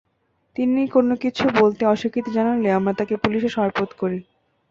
তিনি কোনো কিছু বলতে অস্বীকৃতি জানালে আমরা তাঁকে পুলিশে সোপর্দ করি।